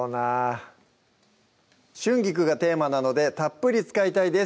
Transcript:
春菊がテーマなのでたっぷり使いたいです